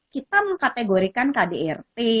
kita mengkategorikan kdrt